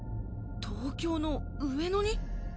東京の上野に！？